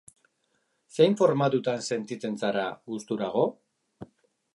Zein formatutan sentitzen zara gusturago?